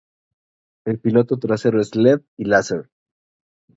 El piloto trasero es led y láser.